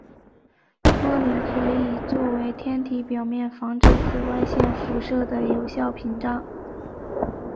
托林可以作为天体表面防止紫外线辐射的有效屏障。